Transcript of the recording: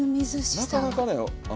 なかなかね